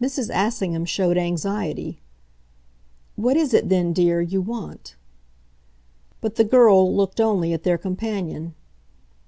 Mrs. Assingham showed anxiety. "What is it then, dear, you want?" But the girl looked only at their companion.